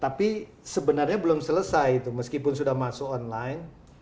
tapi sebenarnya belum selesai itu meskipun sudah masuk online